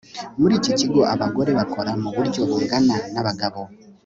Muri iki kigo abagore bakora muburyo bungana nabagabo